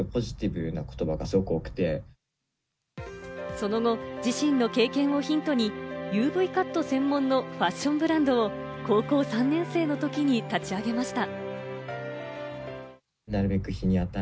その後、自身の経験をヒントにＵＶカット専門のファッションブランドを高校３年生のときに立ち上げました。